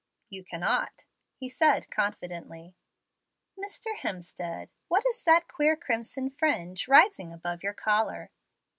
"You cannot," he said confidently. "Mr. Hemstead, what is that queer crimson fringe rising above your collar?"